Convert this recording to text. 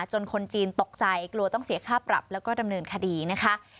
คนจีนตกใจกลัวต้องเสียค่าปรับแล้วก็ดำเนินคดีนะคะ